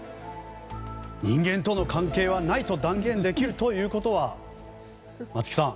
人間との関係はないと断言できるということは松木さん。